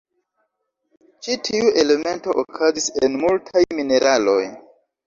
Ĉi tiu elemento okazis en multaj mineraloj.